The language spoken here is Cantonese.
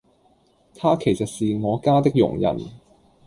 她其實是我家的佣人